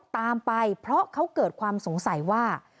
ตามไปเพราะเขาเกิดความสงสัยว่า